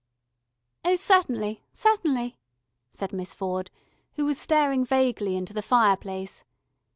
"Oh certainly, certainly," said Miss Ford, who was staring vaguely into the fireplace.